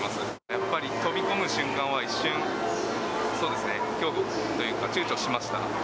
やっぱり飛び込む瞬間は、一瞬、そうですね、恐怖というか、ちゅうちょしました。